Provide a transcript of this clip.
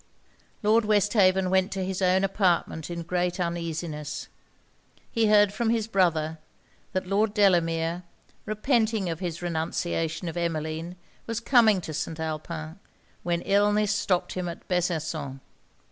Lord Westhaven went to his own apartment in great uneasiness. He heard from his brother, that Lord Delamere, repenting of his renunciation of Emmeline, was coming to St. Alpin, when illness stopped him at Besançon.